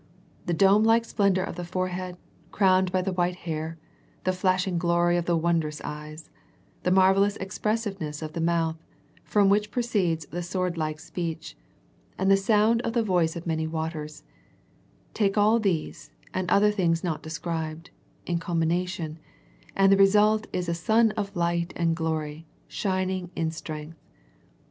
The dome like splendour oFlhe forehead, crowned by the white hair, the flashing glory of the wondrous eyes, the marvellous expressiveness of the mouth, from which proceeds the sword like speech, and the sound of the voice of many waters ; take all these, and other things not de scribed, in combination, and the result is a sun of light and glory, shining in strength.